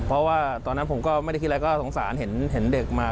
เพราะว่าตอนนั้นผมก็ไม่ได้คิดอะไรก็สงสารเห็นเด็กมา